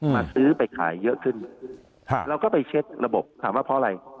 มาซื้อไปขายเยอะขึ้นเราก็ไปเช็คระบบถามว่าเพราะอะไร